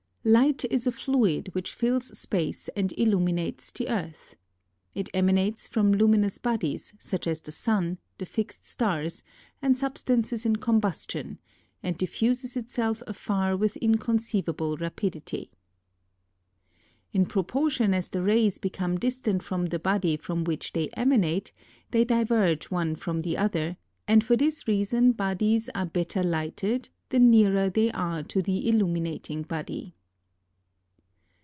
4. Light is a fluid which fills space and illuminates the earth. It emanates from luminous bodies, such as the sun, the fixed stars, and substances in combustion, and diffuses itself afar with incon ceivable rapidity. 5. In proportion as the rays become distant from the body from which they emanate, they diverge one from the other, and for this reason bodies are better lighted, the nearer they are to the illuminating body.